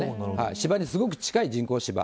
芝にすごく近い人工芝。